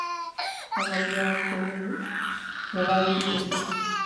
ہم اپنے آپ کو روایتی کہتے ہیں۔